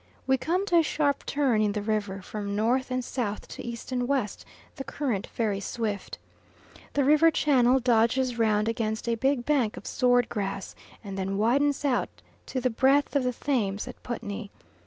We come to a sharp turn in the river, from north and south to east and west the current very swift. The river channel dodges round against a big bank of sword grass, and then widens out to the breadth of the Thames at Putney.